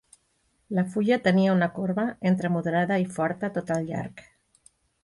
La fulla tenia una corba entre moderada i forta tot al llarg.